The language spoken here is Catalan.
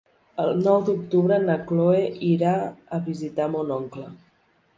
El nou d'octubre na Chloé irà a visitar mon oncle.